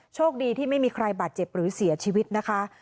โชคดีที่ไม่มีใครบาดเจ็บหรือเสียชีวิตนะคะ